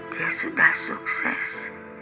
dia sudah sukses